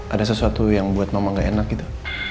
ada sesuatu yang buat mama gak enak gitu